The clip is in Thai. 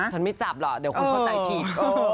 ไม่จับหรอกเดี๋ยวคุณเข้าใจผิด